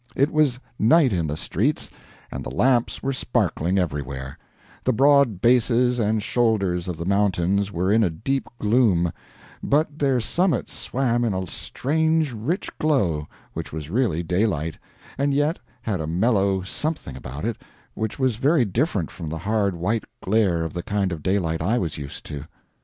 It was night in the streets, and the lamps were sparkling everywhere; the broad bases and shoulders of the mountains were in a deep gloom, but their summits swam in a strange rich glow which was really daylight, and yet had a mellow something about it which was very different from the hard white glare of the kind of daylight I was used to.